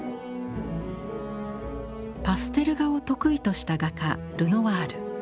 パステル画を得意とした画家ルノワール。